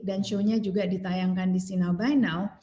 dan show nya juga ditayangkan di see now buy now